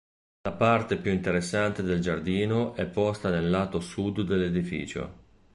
La parte più interessante del giardino è posta nel lato sud dell'edificio.